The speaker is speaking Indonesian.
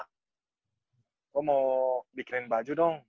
aku mau bikinin baju dong